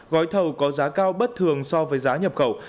gói thầu có giá cao bất thường so với giá nhập khẩu